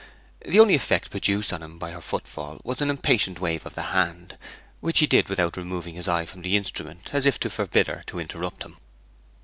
The only effect produced upon him by her footfall was an impatient wave of the hand, which he did without removing his eye from the instrument, as if to forbid her to interrupt him.